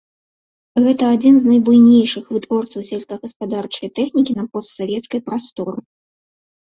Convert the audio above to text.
Гэта адзін з найбуйнейшых вытворцаў сельскагаспадарчай тэхнікі на постсавецкай прасторы.